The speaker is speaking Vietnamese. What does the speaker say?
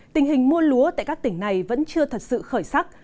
tình hình mua lúa tại các tỉnh này vẫn chưa thật sự khởi sắc